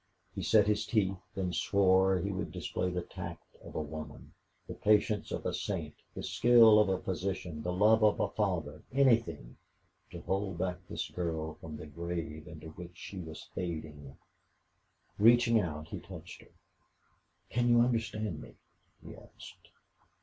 He set his teeth and swore he would display the tact of a woman, the patience of a saint, the skill of a physician, the love of a father anything to hold back this girl from the grave into which she was fading. Reaching out, he touched her. "Can you understand me?" he asked.